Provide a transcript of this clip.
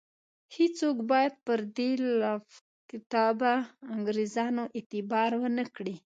هیڅوک باید پر دې لافکتابه انګرېزانو اعتبار ونه کړي.